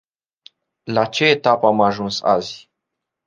La ce etapă am ajuns azi?